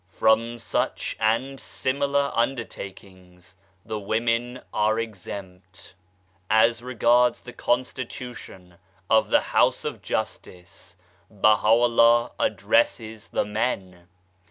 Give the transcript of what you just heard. From such and similar undertakings the women are exempt. As regards the constitution of the House of Justice BAHA'U'LLAH addresses the men.